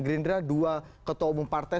gerindra dua ketua umum partai